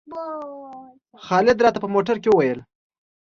خالد راته په موټر کې وویل.